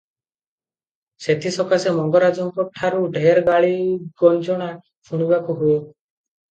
ସେଥିସକାଶେ ମଙ୍ଗରାଜଙ୍କଠାରୁ ଢେର୍ ଗାଳି ଗଞ୍ଜଣା ଶୁଣିବାକୁ ହୁଏ ।